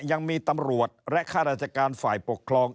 ยังมีตำรวจและข้าราชการฝ่ายปกครอง